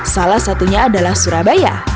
salah satunya adalah surabaya